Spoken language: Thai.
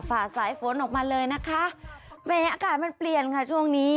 ฝ่าสายฝนออกมาเลยนะคะแม้อากาศมันเปลี่ยนค่ะช่วงนี้